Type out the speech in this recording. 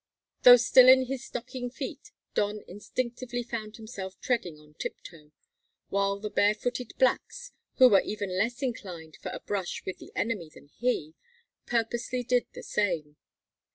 Though still in his stocking feet, Don instinctively found himself treading on tip toe, while the bare footed blacks who were even less inclined for a brush with the enemy than he purposely did the same.